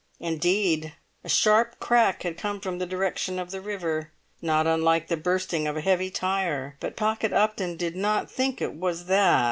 Indeed, a sharp crack had come from the direction of the river, not unlike the bursting of a heavy tyre; but Pocket Upton did not think it was that.